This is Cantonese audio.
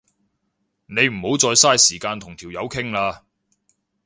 你唔好再嘥時間同條友傾啦